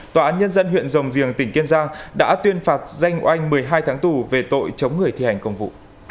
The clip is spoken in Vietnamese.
tòa án nhân dân huyện rồng riềng tỉnh kiên giang đã tuyên phạt danh oanh một mươi hai tháng tù về tội chống người thi hành công vụ